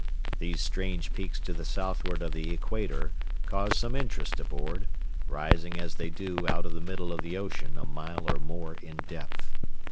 These strange peaks to the southward of the equator caused some interest aboard, rising as they do out of the middle of the ocean a mile or more in depth.